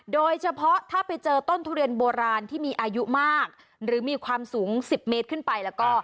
โดยเฉพาะถ้าไปเจอต้นทุเรียนโบราณที่มีอายุมากหรือมีความสูง๑๐เมตรขึ้นไปแล้วก็